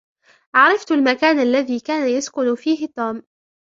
عرفت المكان الذي كان يسكن فيه توم.